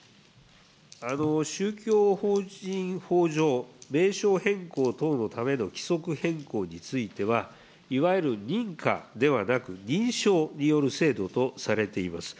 宗教法人法上、名称変更等のための規則変更については、いわゆる認可ではなく認証による制度とされています。